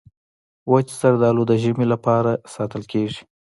وچ زردالو د ژمي لپاره ساتل کېږي.